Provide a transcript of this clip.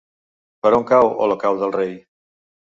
Per on cau Olocau del Rei?